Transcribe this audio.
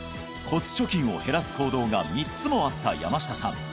骨貯金を減らす行動が３つもあった山下さん